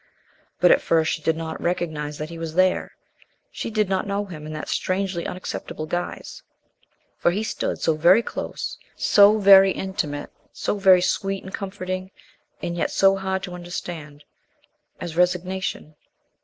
But at first she did not recognize that He was there; she did not know Him in that strangely unacceptable guise. For He stood so very close, so very intimate, so very sweet and comforting, and yet so hard to understand as Resignation.